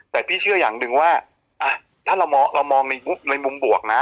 แต่พี่เชื่ออย่างหนึ่งว่าถ้าเรามองในมุมบวกนะ